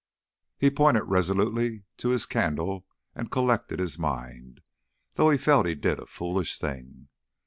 He pointed resolutely to his candle and collected his mind, though he felt he did a foolish thing.